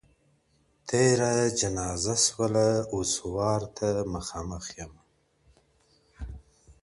• تېره جنازه سوله اوس ورا ته مخامخ يمه.